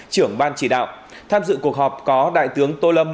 trưởng ban chỉ đạo tham dự cuộc họp có đại tướng tô lâm